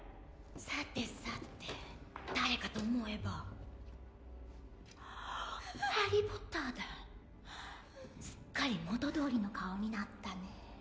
さてさて誰かと思えばハリー・ポッターだすっかり元どおりの顔になったねえ